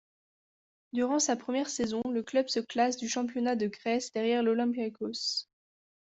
Durant sa première saison, le club se classe du championnat de Grèce derrière l'Olympiakos.